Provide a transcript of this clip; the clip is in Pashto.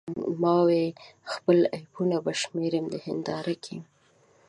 ما وې خپل عیبونه به شمیرم د هنداره کې